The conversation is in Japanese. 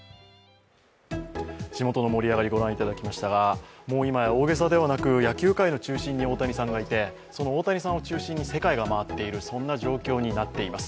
地元の盛り上がりご覧いただきましたがもう今や大げさではなく野球界の中心に大谷さんがいて、その大谷さんを中心に世界が回っている、そんな状況になっています。